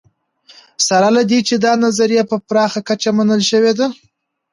سره له دې چې دا نظریه په پراخه کچه منل شوې ده